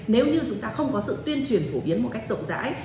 nếu như chúng ta không có sự tuyên truyền phổ biến một cách rộng rãi